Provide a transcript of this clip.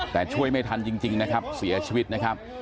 แต่ช่วยไม่ทันจริงนะครับเสียชีวิตนะครับ